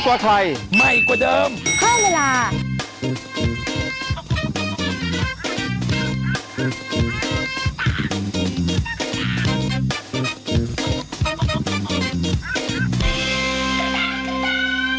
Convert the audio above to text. ข้าวใส่ไทยส้มกว่าไทยใหม่กว่าเดิมเพิ่มเวลา